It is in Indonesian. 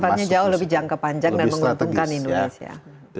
sifatnya jauh lebih jangka panjang dan menguntungkan indonesia